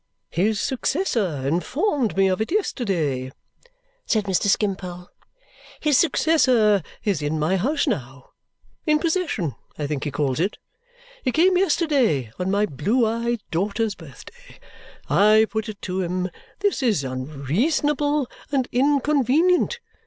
"His successor informed me of it yesterday," said Mr. Skimpole. "His successor is in my house now in possession, I think he calls it. He came yesterday, on my blue eyed daughter's birthday. I put it to him, 'This is unreasonable and inconvenient.